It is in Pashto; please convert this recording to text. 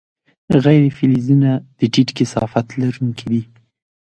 غیر فلزونه د ټیټ کثافت لرونکي دي.